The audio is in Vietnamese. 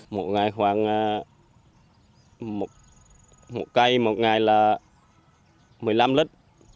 một ngày khoảng một cây một ngày là một mươi năm lần